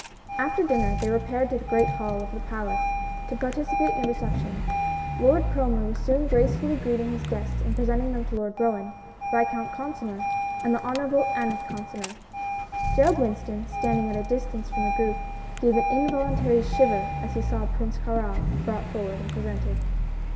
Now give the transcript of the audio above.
After dinner they repaired to the great hall of the palace, to participate in the reception. Lord Cromer was soon gracefully greeting his guests and presenting them to Lord Roane, Viscount Consinor and the Honorable Aneth Consinor. Gerald Winston, standing at a distance from the group, gave an involuntary shiver as he saw Prince Kāra brought forward and presented.